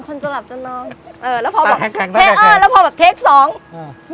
คนจะหลับจะนอนเออแล้วพอบอกเทคเออแล้วพอแบบเทคสองอ่า